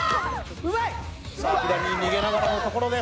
左に逃げながらのところです。